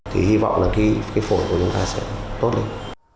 thì hy vọng là cái phổi của chúng ta sẽ tốt lên